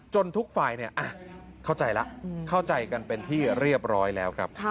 ทุกฝ่ายเข้าใจแล้วเข้าใจกันเป็นที่เรียบร้อยแล้วครับ